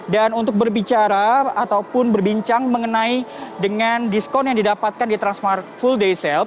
dan untuk berbicara ataupun berbincang mengenai dengan diskon yang didapatkan di transmart full day sale